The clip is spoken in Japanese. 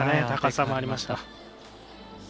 高さもありました。